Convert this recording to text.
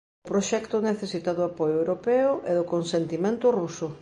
O proxecto necesita do apoio europeo e do consentimento ruso.